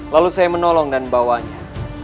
lalu saya menolong dan bawanya